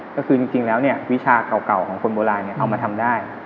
ก็คือจริงแล้ววิชาเก่าของคนโบราณเอามาทำได้